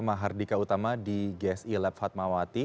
mahardika utama di gsi lab fatmawati